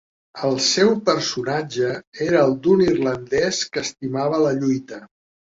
El seu personatge era el d'un Irlandès que estimava la lluita.